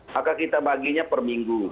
maka kita baginya perminggu